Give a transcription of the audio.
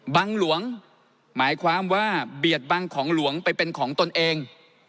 หลวงหมายความว่าเบียดบังของหลวงไปเป็นของตนเอง